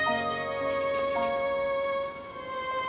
aku mau kemana